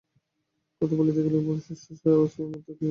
কথা বলিতে গেলে গলায় ফ্যাসফ্যাস আওয়াজ হয় মাত্র, কিছুই সে বলিতে পারে না।